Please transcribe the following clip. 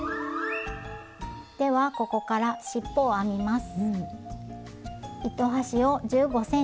ではここからしっぽを編みます。